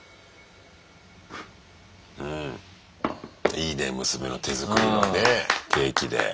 いいね娘の手作りのねケーキで。